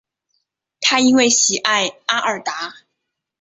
他因为喜爱阿尔达。